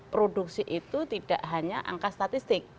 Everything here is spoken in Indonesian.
produksi itu tidak hanya angka statistik